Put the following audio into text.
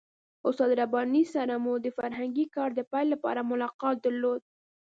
استاد رباني سره مو د فرهنګي کار د پیل لپاره ملاقات درلود.